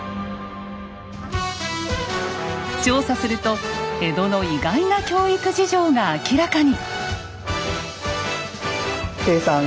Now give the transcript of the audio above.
調査すると江戸の意外な教育事情が明らかに。